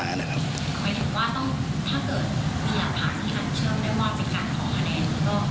ความผิดทางกฎหมายถ้าเกิดมีหลักฐานที่หัดเชิง